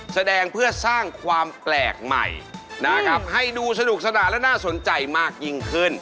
แสดงเพื่อสร้างความแปลกใหม่นะครับให้ดูสนุกสนานและน่าสนใจมากยิ่งขึ้น